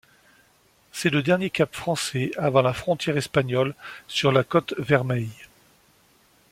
C'est le dernier cap français avant la frontière espagnole sur la côte Vermeille.